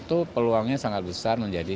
itu peluangnya sangat besar menjadi